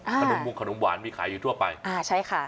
ขนมวงขนมหวานมีขายอยู่ทั่วไปอ่าใช่ค่ะ